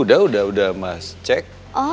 udah udah mas cek